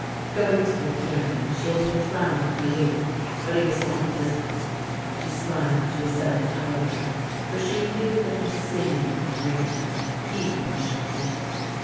Going to the piano, she had looked round for Louis, but he was not visible. She smiled to herself, however, for she knew that her singing would bring him — he worshipped it.